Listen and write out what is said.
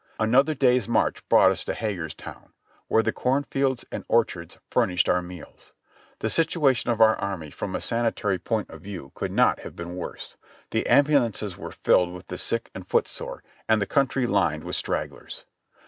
Another day's march brought us to Hagerstown, where the corn fields and orchards furnished our meals. The situation of our army from a sanitary point of view could not have been worse. The ambulances were filled with the sick and footsore, and the country lined with stragglers.